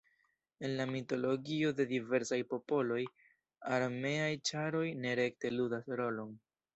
En la mitologio de diversaj popoloj armeaj ĉaroj nerekte ludas rolon.